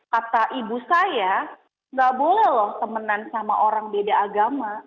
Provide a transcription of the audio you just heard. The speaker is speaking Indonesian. kata ibu saya nggak boleh loh temenan sama orang beda agama